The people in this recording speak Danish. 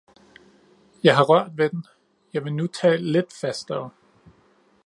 Jeg har rørt ved den, jeg vil nu tage lidt fastere